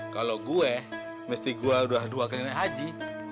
kalo gue mesti gua udah dua kali nanya haji